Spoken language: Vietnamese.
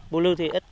bù lư thì ít